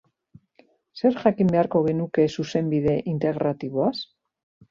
Zer jakin beharko genuke Zuzenbide Integratiboaz?